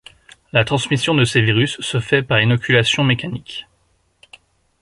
La transmission de ces virus se fait par inoculation mécanique.